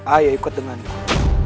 ayah ikut denganmu